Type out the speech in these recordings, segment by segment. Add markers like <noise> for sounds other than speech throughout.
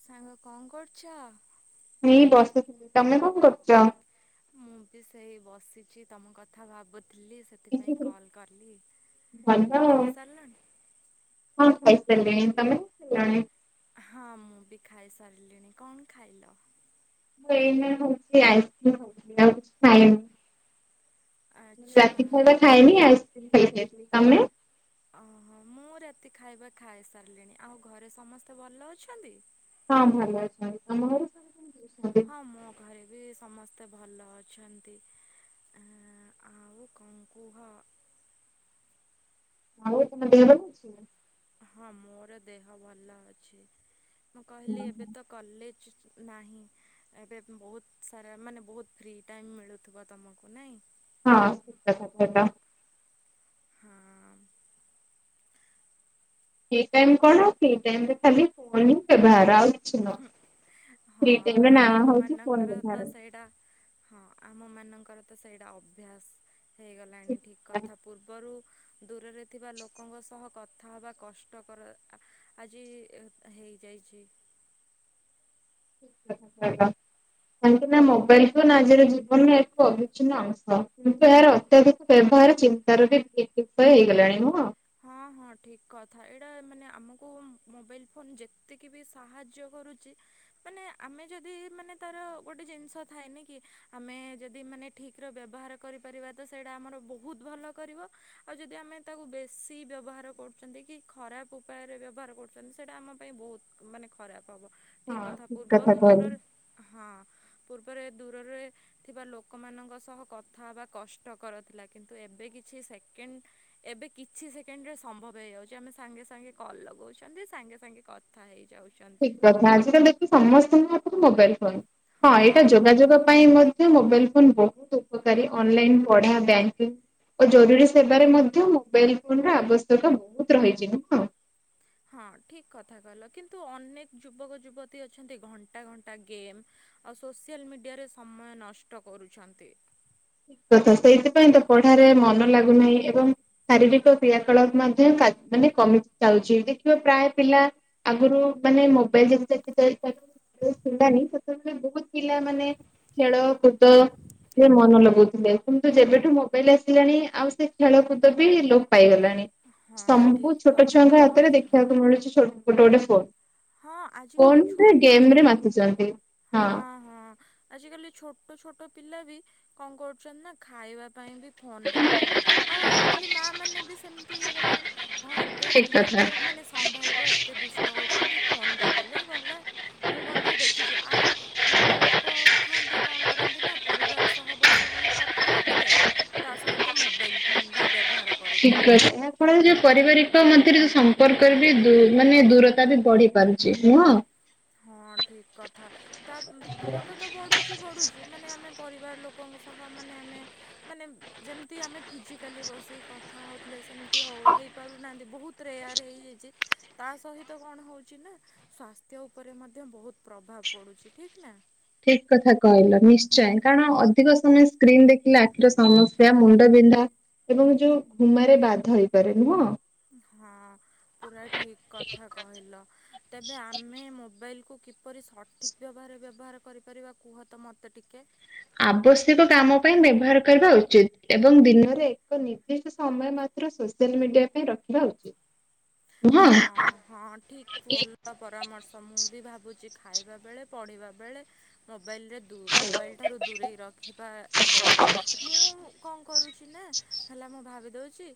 ସାଙ୍ଗ କଣ କରୁଛ? ଏଇ ବସିଥିଲି। ତମେ କଣ କରୁଚ? ମୁଁ ବି ସେଇ ବସିଚି ତମ କଥା ଭାବୁଥିଲି ସେ ସେଥିପାଇଁ କଲ୍ କଲି ଖାଇସାରିଲଣି? ହଁ ଖାଇସାରିଲିଣି। ତମେ? ହଁ ମୁଁ ବି ଖାଇସାରିଲିଣି କଣ ଖାଇଲ? <unintelligible> ମୁଁ ଆଚ୍ଛା ରାତି ସାରା ଖାଇନି ଆଇସ୍କ୍ରିମ ଖାଇଥିଲି। ତମେ? ଓହୋ, ମୁଁ ରାତି ଖାଇବା ଖାଇସାରିଲିଣି। ଆଉ ଘରେ ସମସ୍ତେ ଭଲ ଅଛନ୍ତି? ହଁ ଭଲ ଅଛନ୍ତି ତମ ଘରେ? ଅଛନ୍ତି? ହଁ ମୋ ଘରେ ବି ସମସ୍ତେ ଭଲ ଅଛନ୍ତି। ଆ ଆଉ କଣ କୁହ? ଆଉ ତମ ଦେହ ଭଲ ଅଛି? ହଁ, ମୋର ଦେହ ଭଲ ଅଛି। ମୁଁ କହିଲି ନା? ଏବେ ତ କଲେଜ୍ ନାହିଁ। ଏବେବ୍ ବୋହୁତ୍ ସାରା, ମାନେ ବୋହୁତ୍ ଫ୍ରି ଟାଇମ୍ ମିଳୁଥୁବ ତମୁକୁ ନାଇଁ? ହଁ <unintelligible> ହଁ। ଏଟାଇମ୍ କଣ, ସେଇ ଟାଇମ୍ ବି ଖାଲି <unintelligible> ହିଁ ବେଭାହାର ଆଉ କିଛି ନୁହଁ। ଉହୁଁ, ହଁ, ଫ୍ରି ଟାଇମ ର ନାଁ ଆମ ହଉଛି ଫୋନ ମାନଙ୍କର ବ୍ୟବହାର। ତ ସେଇଟା ହଁ, ଆମ ମାନଙ୍କର ତ ସେଇଟା ଅଭ୍ୟାସ୍ ହେଇଗଲାଣି ଠିକ କଥା, ପୂର୍ବରୁ ଦୂରରେ ଥିବା ଲୋକଙ୍କ ସହ କଥା ହବା କଷ୍ଟକର, ଆହ୍, ଆଜି ହେଇଯାଇଚି। <inaudible> କାହିଁକି ନା ମୋବାଇଲ୍ ଫୋନ୍ ଆଜିର ଜୀବନର ଏକ ଅବିଚ୍ଛିନ୍ନ ଅଂଶ କିନ୍ତୁ ଏହାର ଅତ୍ୟଧିକ୍ ବ୍ୟବହାର ଚିନ୍ତାର ବି ଠିକ୍ ଉପାୟ ହେଇଗଲାଣି ନୁହଁ। ହଁ, ହଁ, ଠିକ କଥା ଏଇଟା ମାନେ ଆମକୁ ମୋବାଇଲ୍ ଫୋନ୍ ଯେତିକି ବି ସାହାଯ୍ୟ କରୁଚି ମାନେ ଆମେ ଯଦି, ମାନେ ତାର ଗୋଟେ ଜିନ୍ଷ ଥାଏନିକି, ଆମେ ଯଦି ମାନେ ଠିକ୍ ର ବ୍ୟବହାର କରି ପାରିବା ତ ସେଡା ଆମର ବୋହୁତ୍ ଭଲ କରିବ, ଆଉ ଯଦି ଆମେ ତାକୁ ବେଶ୍ ସି ବ୍ୟବହାର କରୁଛନ୍ତି କି ଖରାପ୍ ଉପାୟରେ ବ୍ୟବହାର କରୁଛନ୍ତି ସେଇଟା ଆମ ପାଇଁ ବହୁତ, ମାନେ ଖରାପ ହବ। ଠିକ୍ ହଁ କଥା। ଠିକ ପୂର୍ବରୁ କହିଲେ। ଦୂରରେ, ହଁ, ପୂର୍ବରେ ଦୂରରେ ଥିବା ଲୋକମାନଙ୍କ ସହ କଥା ହବା କଷ୍ଟକର ଥିଲା। କିନ୍ତୁ ଏବେ କିଛି ସେକେଣ୍ଡ୍ ଏବେ କିଛ୍ କିଛି ସେକେଣ୍ଡ୍ ରେ ସମ୍ଭବ ହେଇଯାଉଚି। ଆମେ ସାଙ୍ଗେସାଙ୍ଗେ କଲ୍ ଲଗୋଉଛନ୍ତି, ସାଙ୍ଗେ ସାଙ୍ଗେ କଥା ହେଇଯାଉଚୁ। ଠିକ୍ କଥା ଆଜିକାଲି ଦେଖ ସମସ୍ତଙ୍କ ହାତରେ ମୋବାଇଲ୍ ଫୋନ୍। ହଁ, ଏଇଟା ଯୋଗାଯୋଗ ପାଇଁ ମଧ୍ୟ ମୋବାଇଲ୍ ଫୋନ୍ ବୋହୁତ୍ ଉପକାରୀ। ଅନଲାଇନ୍, ପଢା, ବ୍ୟାଙ୍କିଙ୍ଗ୍। ଓ ଜରୁରୀ ସେବାରେ ମଧ୍ୟ ମୋବାଇଲ୍ ଫୋନ୍ ର ଆବଶ୍ୟକ ବୋହୁତ୍ ରହିଛି। ଉଁହ। ହଁ, ଠିକ୍ କଥା କହିଲ କିନ୍ତୁ ଅନେକ ଯୁବକ, ଯୁବତୀ ଅଛନ୍ତି, ଘଣ୍ଟା ଘଣ୍ଟା ଗେମ୍ ଆଉ ସୋସିଆଲ୍ ମିଡିଆରେ ସମୟ ନଷ୍ଟ କରୁଛନ୍ତି। ଦେଖ ସେଇଥିପାଇଁ ତ ପଢାରେ ମନ ଲାଗୁନାହିଁ ଏବଂ ଶାରୀରିକ କ୍ରିୟାକଳାପ ମାଧ୍ୟ <unintelligible> <unintelligible> ମାନେ କମି ଯାଉଛି, ଦେଖିବ ପ୍ରାଏ ପିଲା ଆଗୁରୁ ମାନେ ମୋବାଇଲ୍ <unintelligible> ବୋହୁତ୍ ପିଲା ବି ପିଲାମାନୋ ଖେଳ, କୁଦ ରେ ମନ ଲଗ ଉଥିଲେ କିନ୍ତୁ ଯେବେଠୁ ମୋବାଇଲ୍ ଆସିଲାଣି ଆଉ ସେ ଖେଳକୁଦ ବି ଲୋପ୍ ପାଇଗଲାଣି। ହଁ ସବୁ ଠିକ୍ ଛୋଟୋ କଥା ଛୁଆଙ୍କ କହିଛ। ହାତରେ ଦେଖିବାକୁ ମିଳୁଛି ଗୋଟେଗୋଟେ ଫୋନ୍। ହଁ, ଆଜିିକାଲି ଛୋଟୋ ଛୋଟ୍ ହଁ, ହଁ। ଆଜ କାଲି ଛୋଟ ଛୋଟ ପିଲା ବି କଣ୍ କରୁଛନ୍ତି ନା ଖାଇବା ପାଇଁ ବି ଫୋନ୍ ଦେଖୁଛନ୍ତି ଆଉ ଆଜିିକାଲି ମା ମାନେ ବି ସେମିତି ହେଇଗଲେଣି। ହଁ, ଏତେ ଠିକ କଥା। କିଏ ମାନେ ସମ୍ଭାଳିବ, ଏତେ ଦୁଷ୍ଟ ହୋଉଚନ୍ତି, ଫୋନ୍ ଦେଇଦେଲେ ଗଲା। ମୁଁ ମଧ୍ୟ ଦେଖିଛି ଆଉ ଅନେକ ଲୋକ ଥାଆନ୍ତି, କଣ୍ କରନ୍ତି ନା ପରିବାର ସହ ବସିକି କଥା ହୋଉଥୁବେ ତା ସହିତ ମୋବାଇଲ୍ ଫୋନ୍ ବି ବ୍ୟବହାର ଠିକ୍ କରୁଥିବେ। ଅଛି ଏହା ଫଳରେ ଯୋଉ ପରିବାରିକ ମଧ୍ୟରେ ଯୋଉ ସମ୍ପର୍କରେ ବି ଦୂ ମାନେ ଦୂରତା ବି ବଢି ପାରୁଚି, ନୁହଁ। ହଁ, ଠିକ୍ କଥା। ତା ଦୂର୍, ଦୂରତା ତ ବଢୁଛି, ବଢୁଛି, ମାନେ ଆମେ ପରିବାର ଲୋକଙ୍କ ସହ ମାନେ ଆମେ, ମାନେ ଯେମିତି ଆମେ ଫିଜିକାଲି ବସି କଥା ହୋଉଥିଲେ ସେମିତି ହୋଉ, ହେଇପାରୁନାହାନ୍ତି ବୋହୁତ୍ ରେୟାର୍ ହେଇଯାଇଚି। ତା ସହିତ କଣ ହଉଛି ନା, ସ୍ୱାସ୍ଥ୍ୟ ଉପରେ ମଧ୍ୟ ବୋହୁତ୍ ପ୍ରଭାବ୍ ପଡୁଛି, ଠିକ ନା। ଠିକ କଥା କହିଲ ନିଶ୍ଚୟ, କାରଣ ଅଧିକ ସମୟ ସ୍କ୍ରିନ୍ ଦେଖିଲେ ଆଖିର ସମସ୍ୟା ମୁନ୍ ମୁଣ୍ତ ବିନ୍ଧା ଏବଂ ଯୋଉ ଘୁମାରେ ବାଧ ହେଇପାରେ ନୁହଁ। ହଁ, ପୁରା ଠିକ୍ କଥା। କହିଲ। ତେବେ ଆମେ ମୋବାଇଲ୍ କୁ କିପରି ସଠିକ୍ ଭାବରେ ବ୍ୟବହାର କରିପାରିବା କୁହ ତ ମତେ ଟିକେ। ଆବଶ୍ୟକ କାମ ପାଇଁ ବ୍ୟବହାର କରିବା ଉଚିତ୍ ଏବଂ ଦିନରେ ଏକ ନିର୍ଦ୍ଦିଷ୍ଟ ସମୟ ମାତ୍ ମାତ୍ର ସୋସ୍ୟାଲ୍ ମିଡିଆ ପାଇଁ ରଖିବା ଉଚିତ୍। ହଁ ହଁ ଠିକ୍ ଭଲ। ପରାମର୍ଶ ମୁଁ ବି ଭାବୁଚି ଖାଇବା ବେଳେ ପଢିବା ବେଳେ ମୋବାଇଲି ରେ ଦୁ ମୋବାଇଲି ଠାରୁ ଦୂରେଇ ରଖିବା ଆବଶ୍ୟକ ମୁଁ କଣ କରୁଚି ନା ହେଲା ମୁଁ ଭାବି ଦୋଉଚି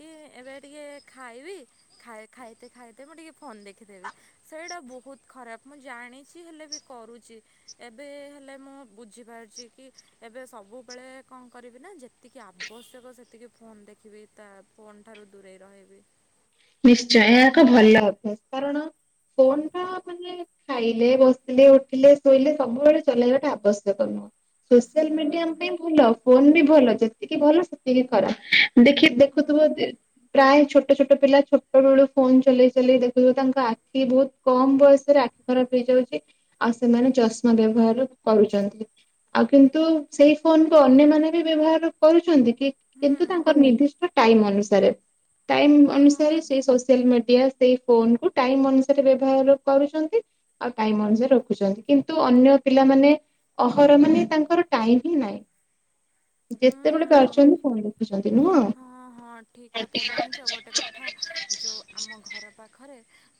କି ଏବେ ଟିକେ ଖାଇବି। ଖାଇ ଖାଇତେ ଖାଇତେ ମୁଁ ଟିକେ ଫୋନ ଦେଖିଦେବି ସେଇଟା ବୋହୁତ ଖରାପ ମୁଁ ଜାଣିଚି ହେଲେ ବି କରୁଚି ଏବେ ହେଲେ ମୁଁ ବୁଝିପାରୁଚି କି ଏବେ ସବୁବେଳେ କଣ କରିବି ନା ଯେତିକି ଆବଶ୍ୟକ ସେତିକି ଫୋନ୍ ଦେଖିବି ତା ଫୋନ୍ ଠାରୁ ଦୂରେଇ ରହିବି। ନିଶ୍ଚୟ ଏହା ଏକ ଭଲ ଅଭ୍ୟାସ କାରଣ ଫୋନ ଟା ମାନେ ଖାଇଲେ ବସିଲେ ଉଠିଲେ ଶୋଇଲେ ସବୁବେଳେ ଚଲେଇବା ଟା ଆବଶ୍ୟକ ନୁହଁ। ସୋସିଆଲ ମିଡିଆ ଆମ୍ ହୁଁ ପାଇଁ ଭଲ ଫୋନ ବି ଭଲ ଯେତିକି ଭଲ ସେତିକି ଖ ଦେଖି ହୁଁ ଦେଖୁଥିବ ଯେ ପ୍ରାୟେ ଛୋଟ ଛୋଟ ପିଲା ଛୋଟ ବେଳୁ ଫୋନ ଚଲେଇ ଚଲେଇ ଦେ ଖିବ ତାଙ୍କ ଆଖି ବୋହୁତ କମ୍ ବୟସରେ ଆଖି ଖରାପ ହେଇଯାଉଚି। ଆଉ ସେମାନେ ଚଷମା ବ୍ୟବହାର କରୁଚନ୍ତି ଆଉ କିନ୍ତୁ ସେଇ ଫୋନ କୁ ଅନ୍ୟମାନେ ବି ବ୍ୟବହାର କରୁଚନ୍ତି କି କିନ୍ତୁ ହୁଁ ତାଙ୍କର ନିର୍ଦ୍ଦିଷ୍ଟ ଟାଇମ ଅନୁସାରେ ଟାଇମ ଅନୁସାରେ ହଁ ସେ ସୋସିଆଲ ମିଡ୍ ମିଡିଆ ସେଇ ଫୋନ କୁ ଟାଇମ୍ ଅନୁସାରେ ବ୍ୟବହାର କରୁଚନ୍ତି। ଆଉ ଟାଇମ୍ ଅନୁସାରେ ରଖୁଚନ୍ତି କିନ୍ତୁ ଅନ୍ୟ ପିଲାମାନେ ଅହର ମାନେ ତାଙ୍କର ଟାଇମ ହିଁ ନାହିଁ। ହୁଁ ଯେତେବେଳେ ହୁଁ। ପାରୁଚନ୍ତି ଫୁଣି ଦେ ହଁ ହଁ ଠିକ୍ କଥା ଜାଣିଚ ଗୋଟେ କଥା। ଯୋଉ ଆମ ଘର ପାଖରେ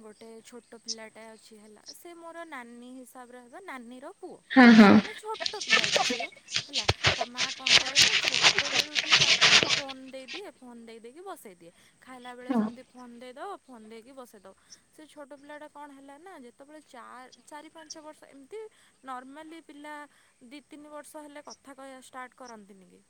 ଗୋଟେ ଛୋଟ ପିଲାଟା ଅଛି ହେଲା। ସେ ମୋର ନାନୀ ହିସାବରେ ହେବ ନାନୀ ର ପୁଅ ହଁ ହଁ ମାନେ ଛୋଟ ପିଲାଟେ ସିଏ ହେଲା ତା ମା କଣ କରେ ନା ଛୋଟ ବେଳୁ ଠୁ ତାକୁ ଫୋନ୍ ଦେଇଦିଏ ଫୋନ୍ ଦେଇ ଦେଇକି ବସେଇଦିଏ ଖାଇଲା ବେଳେ ସେମିତି ଫୋନ୍ ଦେଇଦବ ଫୋନ ଦେଇକି ବସେଦବ। ସେ ଛୋଟ ପିଲା ଟା କଣ ହେଲା ନା ଯେତେବେଳେ ଚାର୍ ଚାରି ପାଞ୍ଚ ବର୍ଷ ଏମିତି ନର୍ମାଲି ପିଲା ଦି ତିନି ବର୍ଷ ହେଲେ କଥା କହିବା ଷ୍ଟାର୍ଟ କରନ୍ତିନି କି।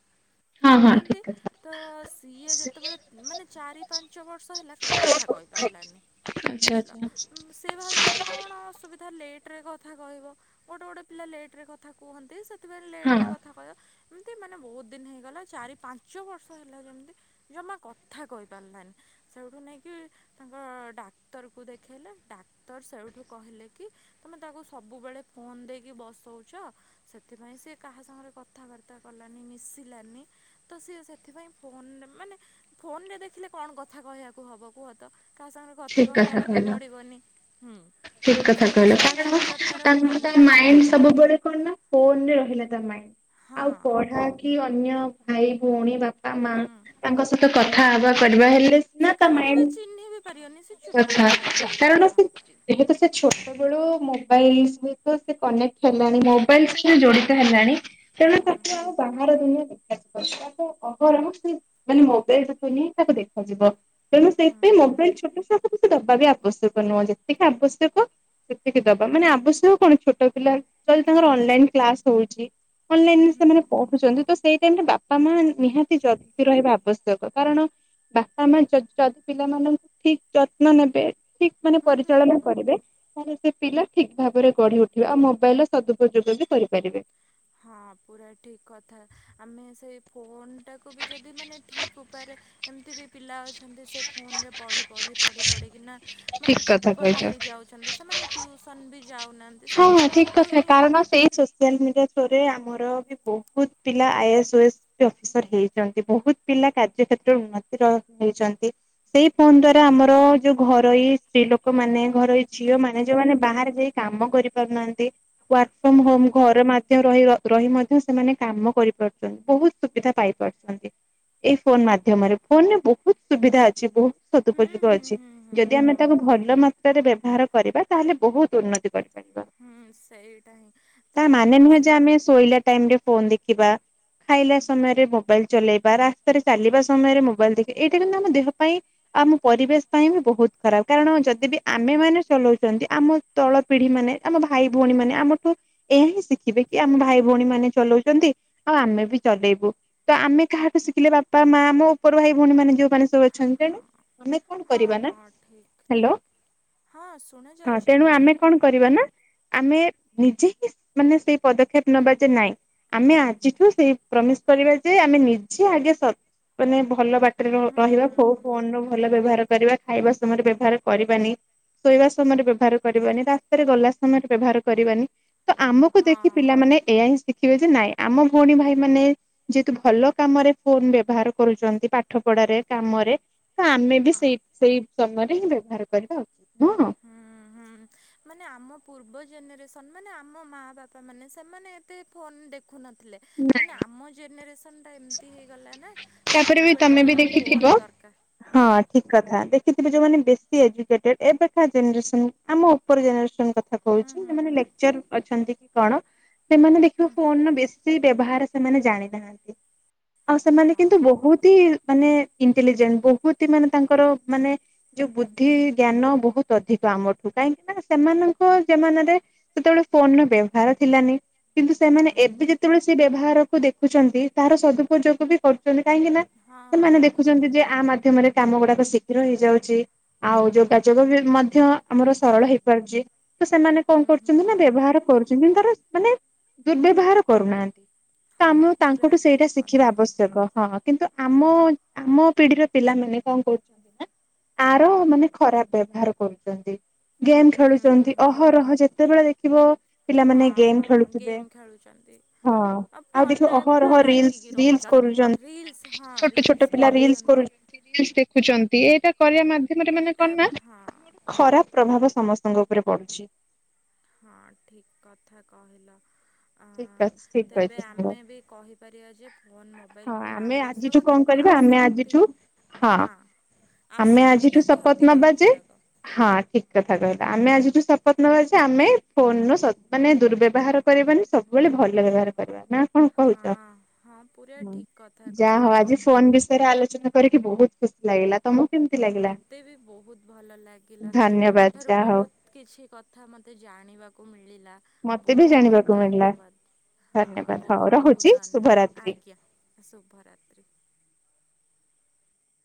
ହଁ ହଁ କରନ୍ତି। ଠିକ କଥା ତ ସିଏ ଯେତେବେଳେ ମାନେ ଚାରି ପାଞ୍ଚ ବର୍ଷ ହେଲା କଥା କହି ପାରିଲାନି। ଆଚ୍ଛା ଆଚ୍ଛା। ସେ ଭାବିଲା କି କଣ ଅସୁବିଧା ଲେଟ୍ରେ କଥା କହିବ। ଗୋଟେ ଗୋଟେ ପିଲା ଲେଟେ ରେ କଥା କୁହନ୍ତି ସେଥିପାଇଁ ଲେଟେ ରେ ହଁ। କଥା କହିବ ଏମିତି ମାନେ ବୋହୁତ ଦିନ ହେଇଗଲା। ଚାରି ପାଞ୍ଚ ବର୍ଷ ହେଲା ଯେମିତି ଜମା କଥା କହିପାରିଲାନି। ସେଇଠୁ ନେଇକି ତାଙ୍କ ଡାକ୍ତର କୁ ଦେଖେଇଲେ ଡାକ୍ତର ସେଇଠୁ କହିଲେ କି ତମେ ତାକୁ ସବୁବେଳେ ଫୋନ ଦେଇକି ବସଉଚ ସେଥିପାଇଁ ସେ କାହା ସାଙ୍ଗରେ କଥାବାର୍ତ୍ତା କଲାନି ମିଶିଲାନି ତ ସିଏ ସେଥିପାଇଁ ଫୋନ ମାନେ ଫୋନରେ ଦେଖିଲେ କଣ କଥା କହିବାକୁ ହବ କୁହତ କାହା ସାଙ୍ଗରେ କଥା କହିବାକୁ ବି ପଡିବନି। ଠିକ୍ କଥା କହିଲ କାରଣ ତାର ତାଙ୍କ ଫୋନ୍ ତା ଦେଖିଲା ମାଇଣ୍ଡ ସବୁବେଳେ କଣ ନା ଫୋନରେ ରହିଲା ତା ମାଇଣ୍ଡ ହଁ ଆଉ ପଢା କିି ଅନ୍ୟ ଭାଇ ଭଉଣୀ ବାପା ମା ହୁଁ ତାଙ୍କ ସହିତ କଥା ହେବା କରିବା ହେଲେ ସିନା ସେ ତା କାହାକୁ ମାଇଣ୍ଡ ବି ଚିହ୍ନି ବି ପାରିବନି ସେ ଚୁପଚାପ୍ <unintelligible> କାରଣ ହଁ ସେ ଏବେ ତ ସେ ଛୋ ସତେବେଳୁ ମୋବାଇଲ ସହିତ ସେ କନେକ୍ଟ ହେଲାଣି ମୋବାଇଲ ଜଡ଼ିତ ହେଲାଣି। ତେଣୁ। ହୁଁ <unintelligible> ବାହାର ଦୁନିଆଁ ଦେଖାଯିବ ତା ଅହରହ ସେ ମାନେ ମୋବାଇଲ ଦୁନିଆଁ ତାକୁ ଦେଖାଯିବ। ତେଣୁ ହୁଁ ସେଇଥିପାଇଁ ମୋବାଇଲ ଛୋଟ ଛୁଆକୁ ବେଶି ଦବା ବି ଆବଶ୍ୟକ ନୁହଁ ଯେତିକି ଆବଶ୍ୟକ ସେତିକି ଦବା ମାନେ ଆବଶ୍ୟକ କଣ ଛୋଟ ପିଲା ଯଦି ତାଙ୍କର ଅନଲାଇନ କ୍ଲାସ ହଉଛି। ଅନଲାଇନ ହୁଁ ରେ ହୁଁ ସେମାନେ ପଢୁଛନ୍ତି ତ ସେଇ ଟାଇମ ରେ ବାପା ମା ନିହାତି ଜଗି ରହିବା ଆବଶ୍ୟକ। କାରଣ ବାପା ମା ଯଦି ପିଲାମାନଙ୍କୁ ଠିକ ଯତ୍ନ ନେବେ ଠିକ ମାନେ ହୁଁ ହୁଁ ହୁଁ ପରିଚାଳନା ହୁଁ କରିବେ। ତାହେଲେ ସେ ପିଲା ଠିକ ଭାବରେ ଗଢି ଉଠିବେ ଆଉ ମୋବାଇଲର ସଦୁପଯୋଗ ବି କରିପାରିବେ। ହଁ ପୁରା ଠିକ କଥା ଆମେ ସେଇ ଫୋନ ଟାକୁ ବି ଯଦି ମାନେ ଠିକ ଉପାୟରେ ଏମିତି ବି ପିଲା ଅଛନ୍ତି ସେ ଫୋନ ରେ ପଢି, ପଢି, ପଢି, ପଢିିକିନା ଠିକ ମାନେ କଥା ଟପର କହିଛ। ହେଇଯାଉଛି। ଛନ୍ତି ସେମାନେ ଟ୍ୟୁସନ ବି ଯାଉନାହାନ୍ତି। ସେ ହଁ, ହଁ ଠିକ ଫୋନକୁ କଥା ହିଁ କାରଣ ସେଇ ସୋସିଆଲ ମିଡ଼ିଆ ଥ୍ରୋ ରେ ଆମର ବି ବହୁତ ପିଲା ଆଇଏସ୍ ଓଏସ୍ ଅଫିସର ହେଇଛନ୍ତି ବହୁତ ପିଲା କାର୍ଯ୍ୟକ୍ଷେତ୍ରରେ ଉନ୍ନତିର ହେଇଛନ୍ତି। ସେଇ ଫୋନ ଦ୍ଵାରା ଆମର ଯୋଉ ଘରୋଇ ସ୍ତ୍ରୀ ଲୋକ ମାନେ ଘରୋଇ ଝିଅ ହୁଁ ମାନେ ଯୋଉଁମାନେ ବାହାରେ ଯାଇ କାମ କରି ପାରୁନାହାନ୍ତି ୱାର୍କ ଫ୍ରମ ହୁଁ ହୋମ ଘର ମା ମଧ୍ୟ ରହି, ରହି ମଧ୍ୟ ସେମାନେ କାମ କରିପାରୁଛନ୍ତି ବହୁତ ସୁବିଧା ପାଇପାରୁଛନ୍ତି। ଏଇ ଫୋନ ମାଧ୍ୟମରେ ଫୋନ ରେ ବହୁତ ସୁବିଧା ଅଛି ବହୁତ ହୁଁ ସଦୁପଯୋଗ ହୁଁ ଅଛି ହୁଁ ହୁଁ ଯଦି ଆମେ ହୁଁ ତାକୁ ଭଲ ମାତ୍ରାରେ ବ୍ୟବହାର କରିବା ତାହେଲେ ବହୁତ ଉନ୍ନତି କରିବା। ହୁଁ ସେଇଟା ହିଁ ତା ତ ମାନେ ଆମେ ନୁହେଁ ଯେ ସେ ଶୋଇଲା ଟାଇମରେ ଫୋନ୍ ଦେଖିବା। ଖାଇଲା ସମୟରେ ମୋବାଇଲ ଚଲେଇବା ରାସ୍ତାରେ ଚାଲିବା ସମୟରେ ମୋବାଇଲ ଦେଖି ଏଇଟା କିନ୍ତୁ ଆମ ଦେହ ପାଇଁ ଆମ ପରିବେଶ ପାଇଁ ବି ବହୁତ ଖରାପ କାରଣ ଯଦି ବି ଆମେମାନେ ଚଲଉଚନ୍ତି ଆମ ତଳ ପିଢି ମାନେ ଆମ ଭାଇ ଭଉଣୀ ମାନେ ଆମଠୁ ଏହା ହିଁ ଶିଖିବେ କି ଆମ ଭାଇ ଭଉଣୀ ମାନେ ଚଲଉଚନ୍ତି ଆଉ ଆମେ ବି ଚଲେଇବୁ। ତ ଆମେ କାହାଠୁ ଶିଖିଲେ ବାପା ମା ମୋ ଉପର ଭାଇ ଭଉଣୀ ମେ ଯୋଉଁମାନେ ସବୁ ଅଛନ୍ତି ତେଣୁ ହଁ ଆମେ କଣ ହଁ କରିବା ନା ହଁ ଠିକ୍ ହ୍ୟାଲୋ ଠିକ୍ ହଁ ହଁ ଶୁଣାଯାଉଛି ତେଣୁ କୁହ ଆମେ କଣ କରିବା ନା ଆମେ ନିଜେ ହିଁ ମାନେ ସେଇ ପଦକ୍ଷେପ ନବା ଯେ ନାଇଁ ଆମେ ଆଜିଠୁ ସେଇ ପ୍ରମିସ କରିବା ଯେ ଆମେ ନିଜେ ଆଗେ ମାନେ ଭଲ ବାଟ ହୁଁ ରହିବା। ହୁଁ ହୁଁ <unintelligible> ବ୍ୟବହାର କରିବା ଖାଇବା ସମୟରେ ବ୍ୟବହାର କରିବାନି ଶୋଇବା ସମୟରେ ବ୍ୟବହାର କରିବାନି। ଗଲା ସମୟରେ ବ୍ୟବହାର କରିବାନି ତ ଆମକୁ ଦେଖି ହଁ ପିଲାମାନେ ଏଇଆ ହିଁ ଶିଖିବେ ଯେ ନାଇଁ ଆମ ଭଉଣୀ ଭାଇମାନେ ଯେହେତୁ ଭଲ କାମରେ ଫୋନ ବ୍ୟବହାର କରୁଚନ୍ତି ପାଠ ପଢାରେ କାମରେ ତ ଆମେ ବି ହଁ ସେଇ ସେଇ ସମୟରେ ହିଁ ବ୍ୟବହାର କରିବା ଆବଶ୍ୟକ। ହଁ, ହଁ। ମାନେ ଆମ ପୂର୍ବ ଜେନେରେସନ ମାନେ ଆମ ମା ବାପା ମାନେ ସେମାନେ ଏତେ ଫୋନ ଦେଖୁନଥିଲେ। ମାନେ ଆମ ଜେନେରେସନ ଟା ଏମିତି ହେଇଗଲା ନାଁ। ତାପରେ ବି ସବୁବେଳେ ତମେ ବି ଖାଲି ଦେଖିଥିବ। ଫୋନ୍ ଦରକାର ହଁ। ଠିକ କଥା ଦେଖିଥିବେ ଯୋଉମାନେ ବେଶୀ ଏଜୁକେଟେଡ ଏବେକା ଜେନେରେସନ ଆମ ଉପର ଜେନେରେସନ୍ କଥା ହୁଁ କହୁଛିମାନେ ଲେକଚର୍ ଅଛନ୍ତି କି କଣ ସେମାନେ ଦେଖିବ ହୁଁ ଫୋନ ବେଶି ସେଇ ବ୍ୟବହାର ସେମାନେ ଜାଣିନାହାନ୍ତି ଆଉ ହୁଁ ହୁଁ ସେମାନେ କିନ୍ତୁ ହଁ ବହୁତ ହିଁ ମାନେ ଇଣ୍ଟେଲିଜେଣ୍ଟ ବହୁତ ହିଁ ମାନେ ତାଙ୍କର ମାନେ ଯୋଉ ବୁଦ୍ଧି ଜ୍ଞାନ ବୋହୁତ ଅଧିକ ଆମଠୁ କାହିଁକି ନା ସେମାନଙ୍କ ଜମାନାରେ ସେତେବେଳେ ଫୋନର ବ୍ୟବହାର ଥିଲାନି। କିନ୍ତୁ ହୁଁ ସେମାନେ ଏବେ ଯେତେବେଳେ ସେ ବ୍ୟବହାରକୁ ଦେଖୁଚନ୍ତି ତାହାର ସଦୁପଯୋଗ ବି କ ରୁଚନ୍ତି <unintelligible> କାହିଁକି ନା ହଁ ସେମାନେ ହଁ ଦେଖୁଚନ୍ତି ଯେ ଆ ମାଧ୍ୟମରେ କାମ ଗୁଡାକ ଶୀଘ୍ର ହେଇଯାଉଚି ଆଉ ଯୋଗାଯୋଗ ବି ମଧ୍ୟ ଆମର ସରଳ ହେଇପାରୁଚି। ତ ସେମାନେ ହଁ କଣ ହୁଁ ହୁଁ କରୁଚନ୍ତି ନା ହୁଁ ବ୍ୟବହାର କରୁଚନ୍ତି ତାର ମାନେ ଦୁର୍ବ୍ୟବହାର କରୁନାହାନ୍ତି। ତ ହଁ ଆମକୁ ପୁରା ତାଙ୍କଠୁ ସେଇଟା ଠିକ୍ ଶିଖିବା କଥା ଆବଶ୍ୟକ। ହଁ କିନ୍ତୁ ଆମ ଆମ ପିଢିର ପିଲାମାନେ କଣ କରୁଚନ୍ତି ନା। ଆର ମାନେ ଖରାପ ବ୍ୟବହାର କରୁଚନ୍ତି। ଗେମ୍ ଖେଳୁଚନ୍ତି ହୁଁ ଅହରହ ଯେତେବେଳେ ଦେଖିବ ପିଲାମାନେ ହଁ ଗେମ୍ ହଁ ଖେଳୁଥିବେ ଗେମ୍ ଖେଳୁଚନ୍ତି। ହଁ ଆଉ ଦେଖିବ ଫୋନରେ ଅହରହ ପୁରା ରିଲସ ଲାଗିକି ରିଲସ ରହୁଚନ୍ତି। କରୁଛନ୍ତି ରିଲସ୍ ହଁ ରିଲସ୍ କରୁଚନ୍ତି। <unintelligible> ଦେଖୁଚନ୍ତି ଏଇଟା କରିବା ମାଧ୍ୟମରେ ମାନେ ଏଇଟା କଣନା। ହଁ ଖରାପ ପ୍ରଭାବ ସମସ୍ତଙ୍କ ଉପରେ ପଡୁଚି। ହଁ ଠିକ୍ କଥା କହିଲ। ଠିକ ଆଁ ଅଛି ଠିକ କହିଛ ତେବେ ସାଙ୍ଗ ଆମେ ହଁ ବି କହିପାରିବା ଯେ ଫୋନ୍ ମୋବାଇଲ୍ ଫୋନ୍ ଆମେ ଆଜିଠୁ ଆବଶ୍ୟକ କଣ କି ନ୍ତୁ କରିବା ଆମେ ଆସକ୍ତି ଆଜିଠୁ ହଁ ଆମେ ଆଜିଠୁ ଆସକ୍ତିଟା ଶପଥ କ୍ଷତି ନବା କରେ ଯେ କାରକ। ହଁ ଠିକ୍ କଥା କହିଲା ଆମେ ଆଜିଠୁ ଶପଥ ନବା ଯେ ଆମେ ଫୋନ୍ ରସଦ୍ ମାନେ ଦୁର୍ବ୍ୟବହାର କରିବାନି ସବୁବେଳେ ଭଲ ବ୍ୟବହାର କରିବା ନା କଣ ହଁ କହୁଚ ହଁ ପୁରା ଠିକ୍ କଥା ଯାହା ହଉ କହିଲ। ଆଜି ଫୋନ୍ ବିଷୟରେ ଆଲୋଚନା କରିକି ବହୁତ ଖୁସି ଲାଗିଲା। ତମକୁ କେ ମତେ ବି ବହୁତ ଭଲ ଲାଗିଲା। ଧନ୍ୟବାଦ ତମଠାରୁ ଯାହା ହଉ ବହୁତ କିଛି କଥା ମତେ ଜାଣିବାକୁ ମିଳିଲା। ମତେ ବି ବୋହୁତ ବୋହୁତ ଜାଣିବାକୁ ମିଳିଲା ଧନ୍ୟବାଦ ହଁ ଧନ୍ୟବାଦ ହଉ ବୋହୁତ ରହୁଛି ବୋହୁତ ଧନ୍ୟବା ଶୁଭରାତ୍ରି। ଆଜ୍ଞା। ଶୁଭରାତ୍ରି।